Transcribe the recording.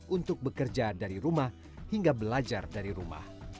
untuk bekerja dari rumah hingga belajar dari rumah